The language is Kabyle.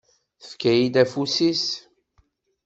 Tefka-yi-d afus-is.